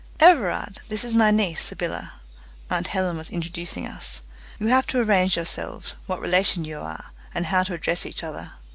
"Everard, this is my niece, Sybylla" (aunt Helen was introducing us). "You will have to arrange yourselves what relation you are, and how to address each other."